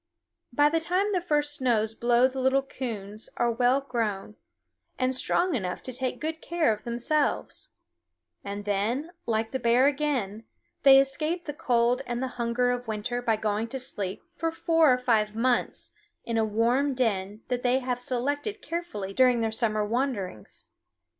By the time the first snows blow the little coons are well grown and strong enough to take good care of themselves; and then, like the bear again, they escape the cold and the hunger of winter by going to sleep for four or five months in a warm den that they have selected carefully during their summer wanderings.